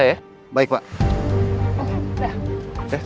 perhatikan ya kak